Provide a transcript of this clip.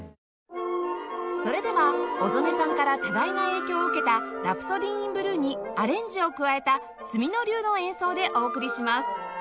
それでは小曽根さんから多大な影響を受けた『ラプソディ・イン・ブルー』にアレンジを加えた角野流の演奏でお送りします